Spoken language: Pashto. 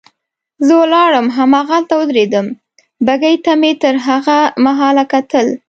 زه ولاړم هماغلته ودرېدم، بګۍ ته مې تر هغه مهاله کتل.